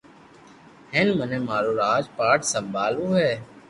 ھي مني مارو راج پاٺ سمڀالووُ ھي